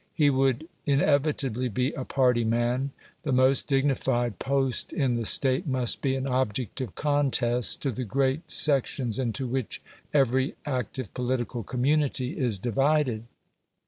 He would inevitably be a party man. The most dignified post in the State must be an object of contest to the great sections into which every active political community is divided.